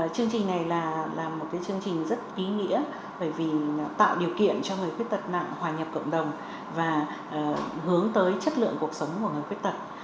chương trình này là một chương trình rất ý nghĩa bởi vì tạo điều kiện cho người khuyết tật nặng hòa nhập cộng đồng và hướng tới chất lượng cuộc sống của người khuyết tật